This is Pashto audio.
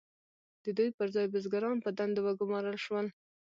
د دوی پر ځای بزګران په دندو وګمارل شول.